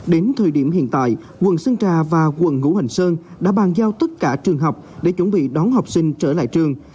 đến thời điểm hiện tại quận sơn trà và quận ngũ hành sơn đã bàn giao tất cả trường học để chuẩn bị đón học sinh trở lại trường